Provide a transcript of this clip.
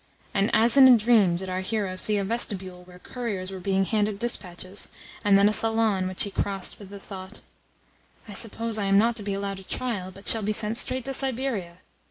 And as in a dream did our hero see a vestibule where couriers were being handed dispatches, and then a salon which he crossed with the thought, "I suppose I am not to be allowed a trial, but shall be sent straight to Siberia!"